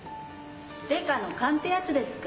デカの勘ってやつですか。